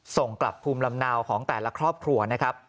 ส่งกลับภูมิลำเนาของแต่ละครอบครัวนะครับ